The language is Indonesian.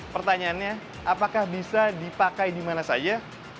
pertanyaannya apakah bisa dipakai di mana saja